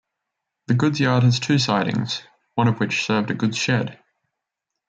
The goods yard had two sidings, one of which served a goods shed.